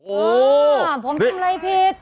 เออผมทำอะไรผิด